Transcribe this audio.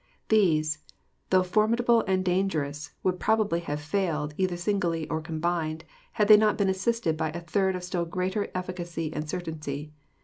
These, though formidable and dangerous, would probably have failed, either singly or combined, had they not been assisted by a third of still greater efficacy and certainty.